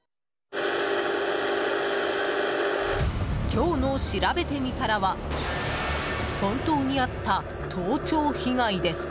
今日のしらべてみたらは本当にあった盗聴被害です。